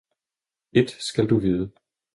- Ét endnu skal du vide!